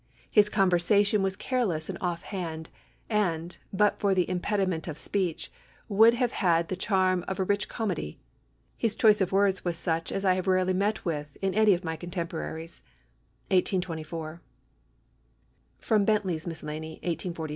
His conversation was careless and off hand, and, but for the impediment of speech, would have had the charm of a rich comedy. His choice of words was such as I have rarely met with in any of my contemporaries." 1824. [Sidenote: Bentley's Miscellany, 1842.